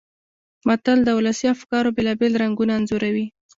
متل د ولسي افکارو بېلابېل رنګونه انځوروي